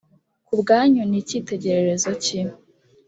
ku bwanyu ni icyitegererezo ki ‽